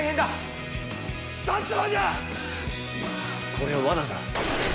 これは罠だ。